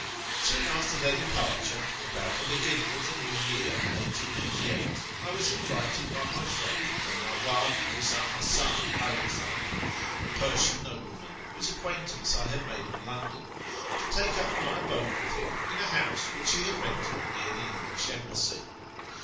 Soon after their departure, about the beginning of the new year (1888), I was invited by my friend the Nawwab Mirzii Hasan 'All Khan, a Persian nobleman whose acquaintance I had made in Loudon, to take up my abode with him in a house which he had rented near the English Embassy.